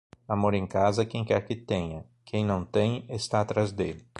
Amor em casa, quem quer que tenha; quem não tem, está atrás dele.